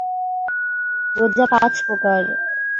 রোজা পাঁচ প্রকার।